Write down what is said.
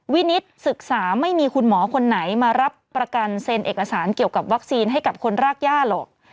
วินิตศึกษาไม่มีคุณหมอคนไหนมารับประกันเซ็นเอกสารเกี่ยวกับวัคซีนให้กับคนรากย่าหรอก